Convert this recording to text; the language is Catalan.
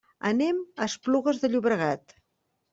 Anem a Esplugues de Llobregat.